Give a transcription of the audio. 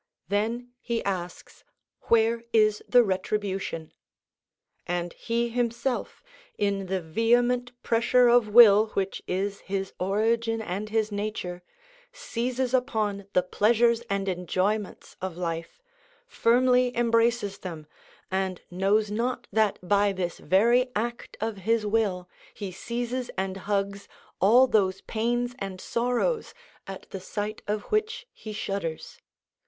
Then he asks, Where is the retribution? And he himself, in the vehement, pressure of will which is his origin and his nature, seizes upon the pleasures and enjoyments of life, firmly embraces them, and knows not that by this very act of his will he seizes and hugs all those pains and sorrows at the sight of which he shudders.